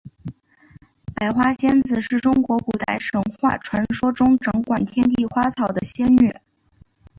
百花仙子是中国古代神话传说中掌管天地花草的仙女。